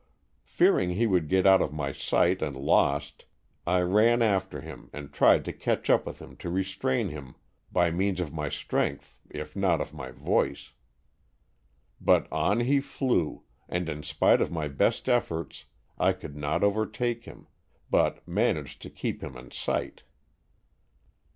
Fearing he would get out of my sight and lost, I ran after him and tried to catch up with him to restrain him by means of my strength if not of my voice. But on he flew, and in spite of my best efforts, I could not overtake him, but managed to keep him in sight.